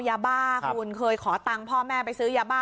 ยาบ้าคุณเคยขอตังค์พ่อแม่ไปซื้อยาบ้า